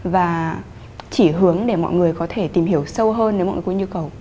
và chỉ hướng để mọi người có thể tìm hiểu sâu hơn đến mọi người có nhu cầu